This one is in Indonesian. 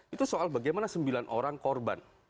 itu soal bagaimana sembilan orang korban